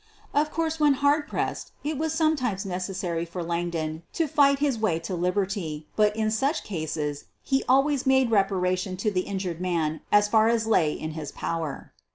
Of course, when hard pressed it was sometimes necessary for Langdon to fight his way to liberty, but in such cases he always made reparation to the injured man as far as lay in his power.